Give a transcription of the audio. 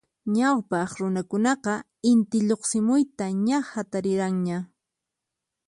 Ñawpaq runakunaqa Inti lluqsimuyta ña hatariranña.